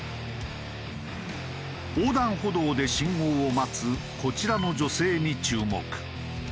横断歩道で信号を待つこちらの女性に注目。